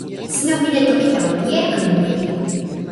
sina wile toki tawa mije anu meli?